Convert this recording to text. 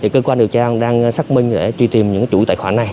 cơ quan điều tra đang xác minh để truy tìm những chủ tài khoản này